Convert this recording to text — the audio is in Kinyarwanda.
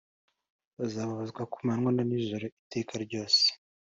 Bazababazwa ku manywa na nijoro iteka ryose.